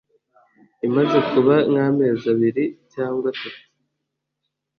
imaze kuba nk'amezi abiri cyangwa atatu